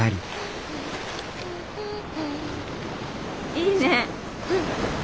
いいね。